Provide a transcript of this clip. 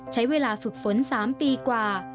ใช้เวลาฝึกฝน๓ปีกว่า